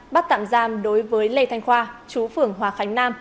bắt tạm giam đối với lê thanh khoa chú phưởng hòa khánh nam